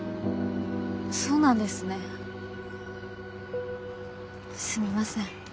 そうなんですねすみません。